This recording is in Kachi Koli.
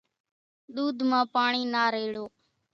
ۮوڌ مان پاڻِي نا ريڙو۔